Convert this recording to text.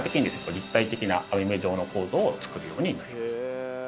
立体的な網目状の構造を作るようになります。